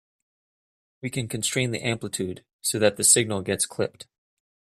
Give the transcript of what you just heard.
We can constrain the amplitude so that the signal gets clipped.